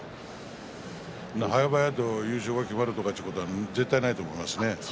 はやばやと優勝が決まるということは絶対にないと思いますね。